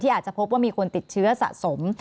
อาจจะพบว่ามีคนติดเชื้อสะสม